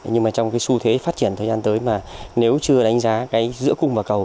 nhưng mà trong cái xu thế phát triển thời gian tới mà nếu chưa đánh giá cái giữa cung và cầu